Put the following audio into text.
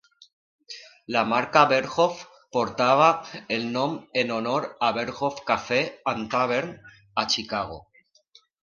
La marca Berghoff portava el nom en honor a Berghoff Cafe and Tavern a Chicago.